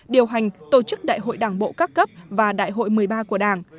điều hành tổ chức đại hội đảng bộ các cấp và đại hội một mươi ba của đảng